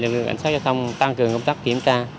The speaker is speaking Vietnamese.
lực lượng cảnh sát giao thông tăng cường công tác kiểm tra